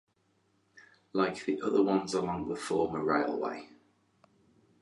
Like the other ones along the former railway.